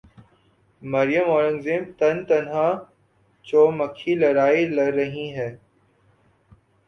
مریم اورنگزیب تن تنہا چو مکھی لڑائی لڑ رہی ہیں۔